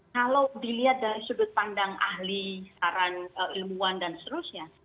kalau dilihat dari sudut pandang ahli saran ilmuwan dan seterusnya